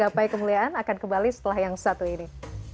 gapai kemuliaan akan kembali setelah yang satu ini